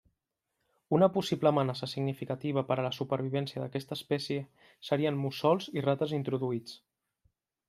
Una possible amenaça significativa per a la supervivència d'aquesta espècie serien mussols i rates introduïts.